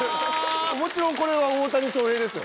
もちろんこれは大谷翔平ですよ。